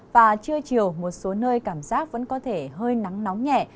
và trưa chiều một số nơi cảm giác vẫn có thể hơi nắng nóng nhẹ